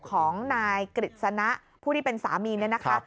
ของนายกฤษณะผู้ที่เป็นสามีเนี่ยนะคะ